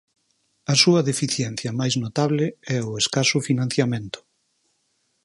A súa deficiencia máis notable é o escaso financiamento.